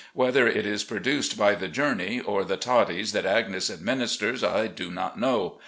Whether it is produced by the journey, or the toddies that Agnes administers, I do not know.